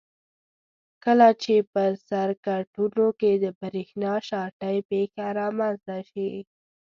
کله چې په سرکټونو کې د برېښنا شارټۍ پېښه رامنځته شي.